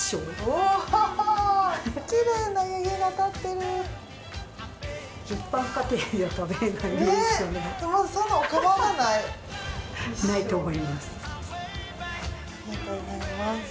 ありがとうございます。